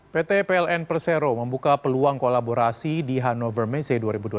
pt pln persero membuka peluang kolaborasi di hannover messe dua ribu dua puluh